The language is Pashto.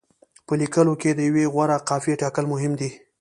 په لیکلو کې د یوې غوره قافیې ټاکل مهم دي.